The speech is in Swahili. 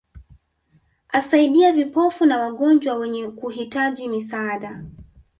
Asaidia vipofu na wagonjwa wenye kuhitaji misaada